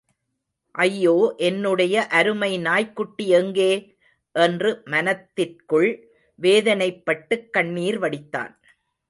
ஐயோ, என்னுடைய அருமை நாய்க்குட்டி எங்கே...? என்று மனத்திற்குள் வேதனைப்பட்டுக் கண்ணீர் வடித்தான்.